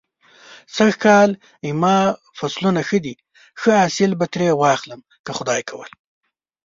سږ کال زما فصلونه ښه دی. ښه حاصل به ترې واخلم که خدای کول.